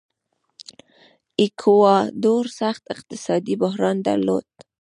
ایکواډور سخت اقتصادي بحران درلود.